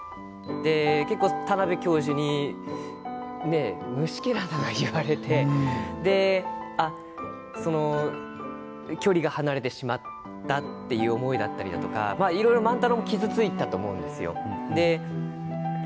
田邊教授に虫けらとか言われて距離が離れてしまったという思いだったりとかいろいろ万太郎も傷ついたと思うんですよ。